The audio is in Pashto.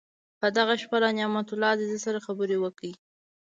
په دغه شپه له نعمت الله عزیز سره خبرې وکړې.